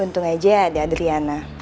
untung aja ada adriana